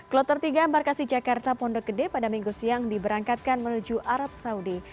klub ter tiga ambar kasi jakarta pondok gede pada minggu siang diberangkatkan menuju arab saudi